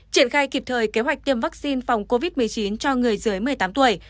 triển khai kịp thời kế hoạch tiêm vaccine phòng covid một mươi chín cho người dưới một mươi tám tuổi